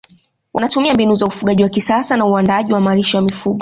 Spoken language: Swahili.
wanatumia mbinu za ufugaji wa kisasa na uandaaji wa malisho ya mifugo